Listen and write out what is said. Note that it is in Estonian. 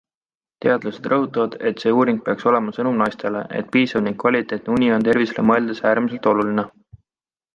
Teadlased rõhutavad, et see uuring peaks olema sõnum naistele, et piisav ning kvaliteetne uni on tervisele mõeldes äärmiselt oluline.